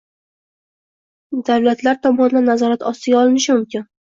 Davlatlar tomonidan nazorat ostiga olinishi mumkin.